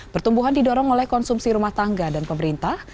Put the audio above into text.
pertumbuhan didorong oleh konsumsi rumah tangga dan pemerintah